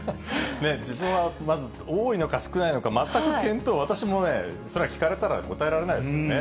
自分は多いのか少ないのか、見当、私もね、それは聞かれたら答えられないですよね。